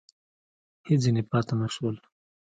هېڅ ځني پاته نه شول !